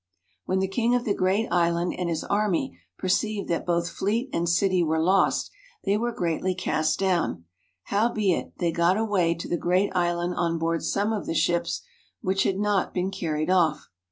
When the king of the great island and his army per ceived that both fleet and city were lost, they were greatly cast down : howbeit, they got away to the great island on board some of the ships which had not been carried off.